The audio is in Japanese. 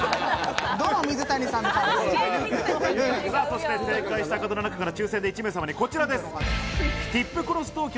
そして正解した方の中から抽選で１名様にこちらです。